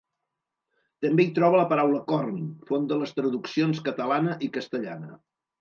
També hi troba la paraula «corn», font de les traduccions catalana i castellana.